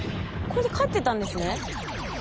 ここで帰ってたんですね。